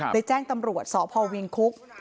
ได้แจ้งตำรวจสพวิงคุก